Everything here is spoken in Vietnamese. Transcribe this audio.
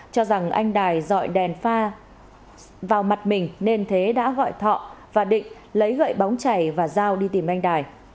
cho rằng anh đài dọi đèn pha vào mặt mình nên thế đã gọi thọ và định lấy gậy bóng chảy và dao đi tìm anh đài